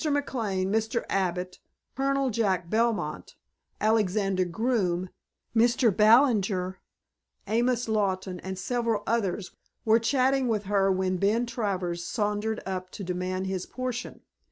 McLane, Mr. Abbott, Colonel "Jack" Belmont, Alexander Groome, Mr. Ballinger, Amos Lawton and several others were chatting with her when Ben Travers sauntered up to demand his potion.